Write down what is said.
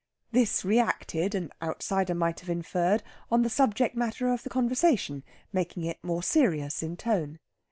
This reacted, an outsider might have inferred, on the subject matter of the conversation, making it more serious in tone.